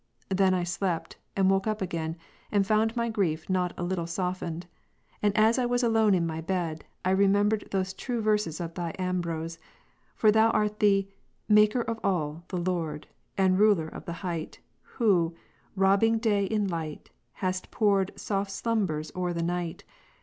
Then I slept, and woke up again, and found my grief not a little softened ; and as I was alone in my bed, I remembered those true verses of Thy Ambrose. For Thou art the Maker of all, the Lord, And Ruler of the height, Who, rohing day in light, hast poured Soft slumbers o'er the night.